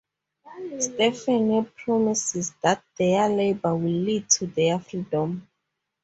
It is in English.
Stephanie promises that their labor will lead to their freedom.